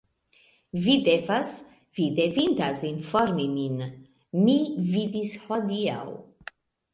Vi devas, vi devintas informi min. Mi vidis hodiaŭ.